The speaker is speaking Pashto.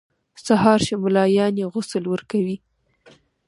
سهار شو ملایان یې غسل ورکوي.